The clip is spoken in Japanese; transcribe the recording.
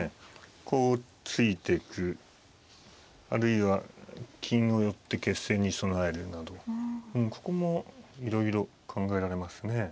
こう突いてくあるいは金を寄って決戦に備えるなどここもいろいろ考えられますね。